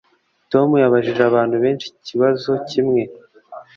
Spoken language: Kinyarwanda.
tom yabajije abantu benshi ikibazo kimwe